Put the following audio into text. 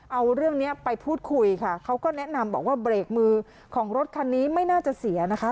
เอาเรื่องนี้ไปพูดคุยค่ะเขาก็แนะนำบอกว่าเบรกมือของรถคันนี้ไม่น่าจะเสียนะคะ